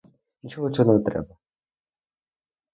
Нічого цього не треба.